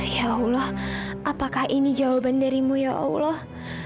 ya allah apakah ini jawaban darimu ya allah